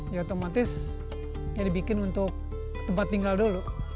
ya otomatis ya dibikin untuk tempat tinggal dulu